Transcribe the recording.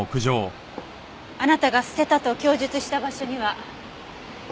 あなたが捨てたと供述した場所には。